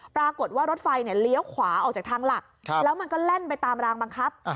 ปรากฏว่ารถไฟเลี้ยวขวาออกจากทางหลักแล้วมันก็แล่นไปตามรางบังคับ